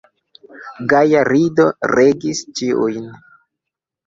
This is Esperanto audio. Gaja rido regis ĉiujn.